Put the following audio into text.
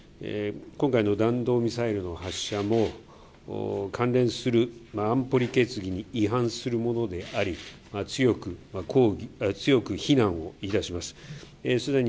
今回の弾道ミサイルの発射も、関連する安保理決議に違反するものであり、強く非難をいたします。